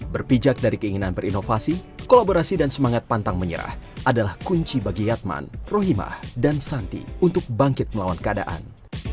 berpijak dari keinginan berinovasi kolaborasi dan semangat pantang menyerah adalah kunci bagi yatman rohimah dan santi untuk bangkit melawan keadaan